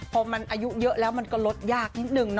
พอมันอายุเยอะแล้วมันก็ลดยากนิดนึงนะ